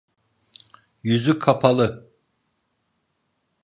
Yüzü kapalı…